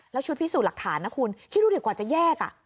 แล้วชุดพิสูจน์หลักฐานนะคุณคิดดูดิกว่าจะแยก